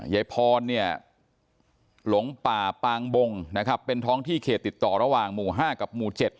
ยายพรเนี่ยหลงป่าปางบงนะครับเป็นท้องที่เขตติดต่อระหว่างหมู่๕กับหมู่๗